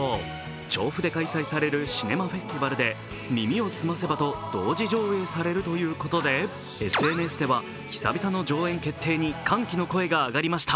調布で開催されるシネマフェスティバルで「耳をすませば」と同時上映されるということでＳＮＳでは久々の上演決定に歓喜の声が上がりました。